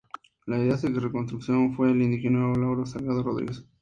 La idea de su construcción fue del ingeniero Laureano Salgado Rodríguez.